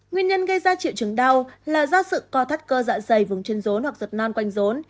nguyên nhân gây ra triệu chứng đau là do sự co thắt cơ dạ dày vùng chân rốn hoặc giật nan quanh rốn